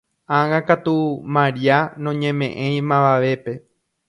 Ág̃akatu Maria noñemeʼẽi mavavépe.